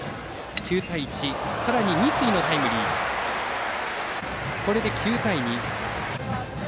９対１となって、さらに三井のタイムリーがあってこれで９対２。